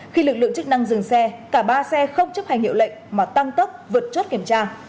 khi lực lượng chức năng dừng xe cả ba xe không chấp hành hiệu lệnh mà tăng tốc vượt chốt kiểm tra